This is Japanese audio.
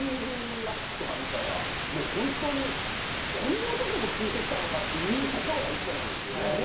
ＣＤラックとか見たらもうホントにこんなとこも聴いてきたのかっていうところが一緒なんですよね。